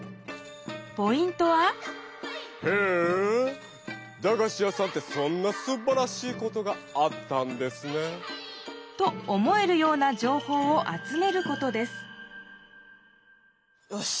ポイントは「へえだがし屋さんってそんなすばらしいことがあったんですね！」。と思えるような情報を集めることですよし。